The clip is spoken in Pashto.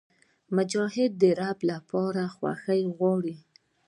مجاهد د رب لپاره خوښي غواړي.